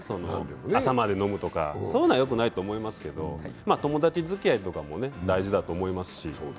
朝まで飲むとかそういうのはよくないと思いますけど友達づきあいとかも大事だと思いますし。